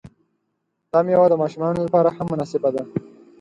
دا میوه د ماشومانو لپاره هم مناسبه ده.